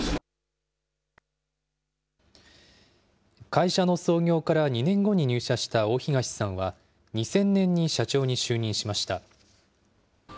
会社の創業から２年後に入社した大東さんは、２０００年に社長に就任しました。